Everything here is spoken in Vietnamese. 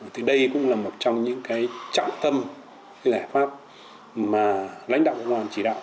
thì đây cũng là một trong những trọng tâm giải pháp mà lãnh đạo công an chỉ đạo